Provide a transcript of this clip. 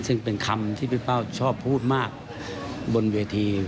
ซึ่งเป็นคำที่พี่เป้าชอบพูดมากบนเวที